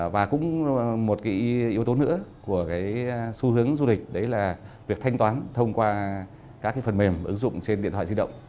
và cũng một yếu tố nữa của cái xu hướng du lịch đấy là việc thanh toán thông qua các phần mềm ứng dụng trên điện thoại di động